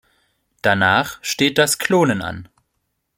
Danach steht das Klonen an.